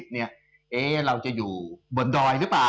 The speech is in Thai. ๑๕๕๐เนี่ยเอ๊ะเราจะอยู่บนดอยหรือเปล่า